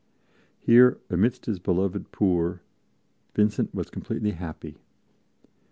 Here, amidst his beloved poor, Vincent was completely happy.